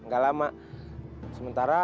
gak lama sementara